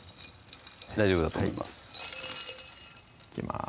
大丈夫だと思いますいきます